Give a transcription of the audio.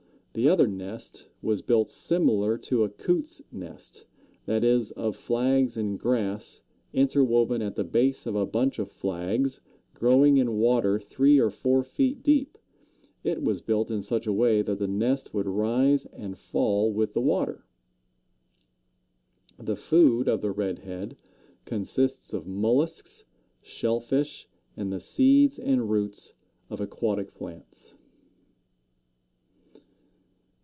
The other nest was built similar to a Coot's nest; that is, of flags and grass interwoven at the base of a bunch of flags growing in water three or four feet deep. It was built in such a way that the nest would rise and fall with the water." The food of the Red head consists of mollusks, shell fish, and the seeds and roots of aquatic plants.